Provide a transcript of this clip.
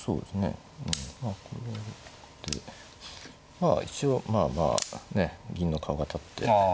まあ一応まあまあねえ銀の顔が立って。